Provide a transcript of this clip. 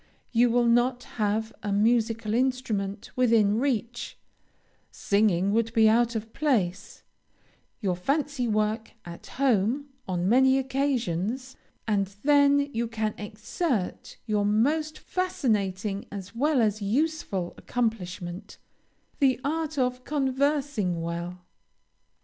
You will not have a musical instrument within reach, singing would be out of place, your fancy work at home, on many occasions, and then you can exert your most fascinating as well as useful accomplishment, the art of conversing well.